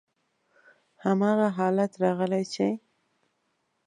هماغه حالت راغلی چې: